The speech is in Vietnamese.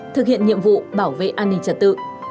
thực hiện nhiệm vụ bảo vệ an ninh trật tự